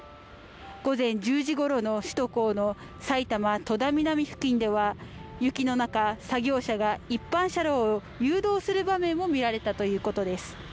午前１０時ごろの首都高の埼玉・戸田南付近では雪の中作業車が一般車両を誘導する場面も見られたということです